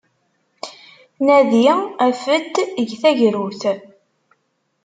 Nadi, af-d, eg tagrut!